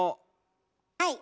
はい。